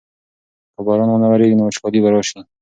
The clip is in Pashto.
که باران ونه ورېږي نو وچکالي به راشي.